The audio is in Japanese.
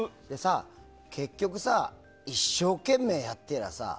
結局さ、一生懸命やってればさ